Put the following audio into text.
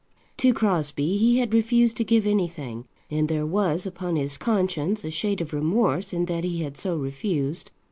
To Crosbie he had refused to give anything, and there was upon his conscience a shade of remorse in that he had so refused.